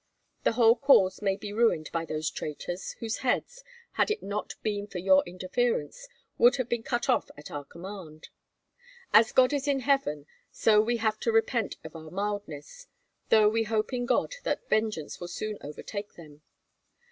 The whole cause may be ruined by those traitors, whose heads, had it not been for your interference, would have been cut off at our command, as God is in heaven. So we have to repent of our mildness, though we hope in God that vengeance will soon overtake them.